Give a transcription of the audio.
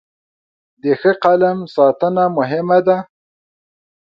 د ښه قلم ساتنه مهمه ده.